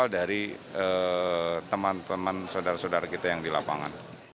dari teman teman saudara saudara kita yang di lapangan